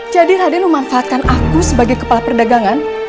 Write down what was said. jadi raden memanfaatkan aku sebagai kepala perdagangan